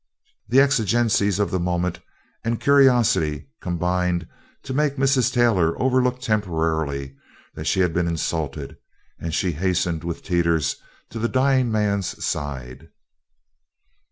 The exigencies of the moment, and curiosity, combined to make Mrs. Taylor overlook temporarily that she had been insulted, and she hastened with Teeters to the dying man's side.